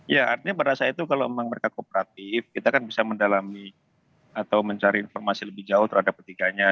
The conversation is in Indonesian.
ya artinya pada saat itu kalau memang mereka kooperatif kita kan bisa mendalami atau mencari informasi lebih jauh terhadap ketiganya